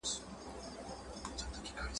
هغه د مغلو په دربار کې ډېر عزت وموند.